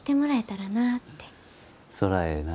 そらええな。